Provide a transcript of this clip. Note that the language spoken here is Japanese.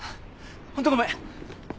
ホントごめん。